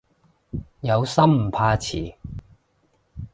有心唔怕遲